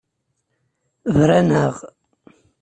Bran-aɣ.